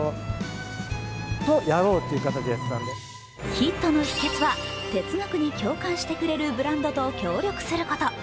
ヒットの秘けつは、哲学に共感してくれるブランドと協力すること。